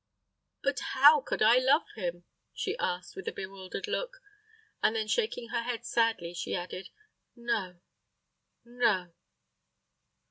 But how could I love him?" she asked, with a bewildered look; and then shaking her head sadly, she added, "no no!"